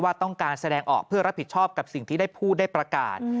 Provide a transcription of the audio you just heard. ต้องการแสดงออกเพื่อรับผิดชอบกับสิ่งที่ได้พูดได้ประกาศ